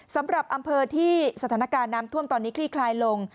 สำหรับอำเภอที่สถานการณ์น้ำท่วมตอนนี้คลี่คลายลง